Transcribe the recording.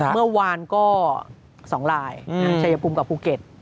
เมื่อวานก็๒ลายชัยภูมิกับภูเก็ต